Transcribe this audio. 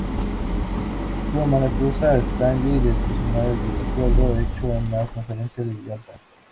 Truman acusó a Stalin de traicionar el acuerdo hecho en la Conferencia de Yalta.